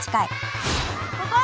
ここ？